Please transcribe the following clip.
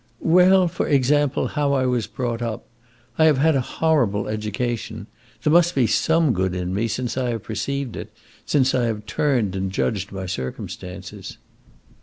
"Well, for example, how I was brought up. I have had a horrible education. There must be some good in me, since I have perceived it, since I have turned and judged my circumstances."